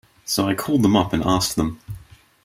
So I called them up and asked them.